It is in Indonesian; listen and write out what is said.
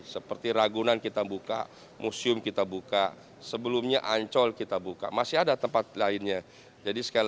seperti ragunan kita buka museum kita buka sebelumnya ancol kita buka masih ada tempat lainnya